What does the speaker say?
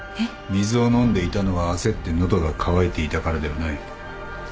水を飲んでいたのは焦って喉が渇いていたからではない。